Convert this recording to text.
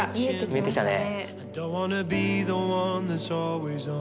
見えてきたね。